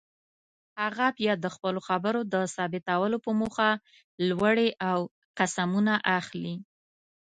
هغه بیا د خپلو خبرو د ثابتولو په موخه لوړې او قسمونه اخلي.